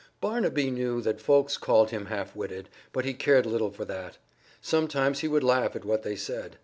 Barnaby knew that folks called him half witted, but he cared little for that. Sometimes he would laugh at what they said.